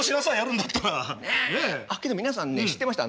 けど皆さんね知ってました？